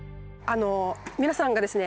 皆さんがですね